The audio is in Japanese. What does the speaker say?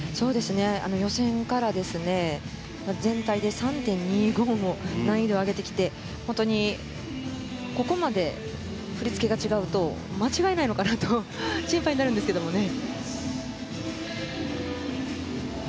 予選から全体で３．２５も難易度を上げてきて本当にここまで振り付けが違うと間違えないのかなと心配になるんですけどね。